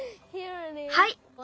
はい。